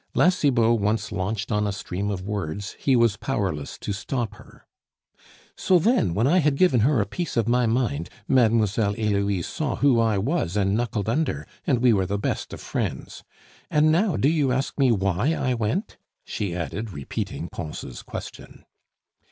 La Cibot once launched on a stream of words, he was powerless to stop her. "So, then, when I had given her a piece of my mind, Mademoiselle Heloise saw who I was and knuckled under, and we were the best of friends. And now do you ask me why I went?" she added, repeating Pons' question.